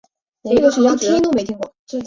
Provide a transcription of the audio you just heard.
萨松亦为他幸存的手稿作注释。